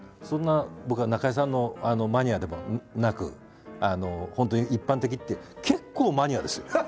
「そんな僕は中井さんのマニアでもなく本当に一般的」って結構マニアですよ。